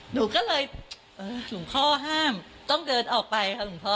หนูก็เลยเออหลวงพ่อห้ามต้องเดินออกไปค่ะหลวงพ่อ